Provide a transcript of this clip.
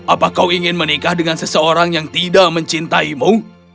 apa kau ingin menikah dengan seseorang yang tidak mencintaimu